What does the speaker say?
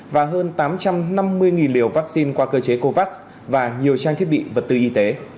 và hơn tám trăm năm mươi liều vaccine qua cơ chế covax và nhiều trang thiết bị vật tư y tế